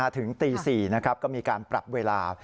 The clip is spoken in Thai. ถึงตี๔นะครับก็มีการปรับเวลา